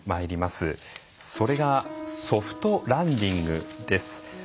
それが「ソフトランディング」です。